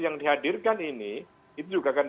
yang dihadirkan ini itu juga akan